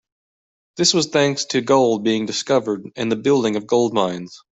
This was thanks to gold being discovered and the building of gold mines.